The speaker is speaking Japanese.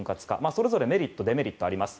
それぞれメリット、デメリットがあります。